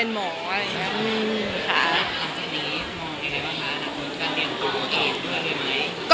คุณจะมองอย่างไรบ้างค่ะ